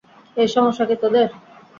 এই, সমস্যা কী তোদের?